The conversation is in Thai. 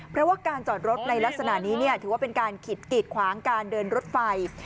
เพราะว่าการจอดรถในลักษณะนี้ถือว่าเป็นการกีดขวางการเดินรถไฟ